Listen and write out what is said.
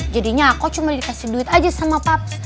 jadinya aku cuma dikasih duit aja sama papa